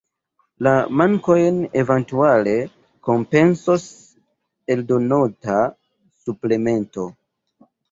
La mankojn eventuale kompensos eldonota suplemento.